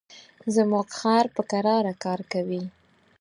زموږ خر په کراره کار کوي.